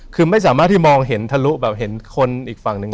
คือไม่สามารถที่มองเข้าเท่าทะลูแบบเข่านอกว่าเห็นคนอีกฝั่งหนึ่ง